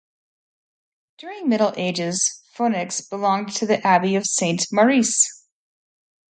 During Middle Ages, Founex belonged to the abbey of Saint Maurice.